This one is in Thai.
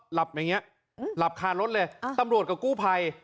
หลับเวยงี้หลับขาดรถเลยอ่าตำรวจกับกูภัย